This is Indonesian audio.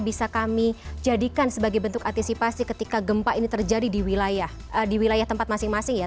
bisa kami jadikan sebagai bentuk antisipasi ketika gempa ini terjadi di wilayah tempat masing masing ya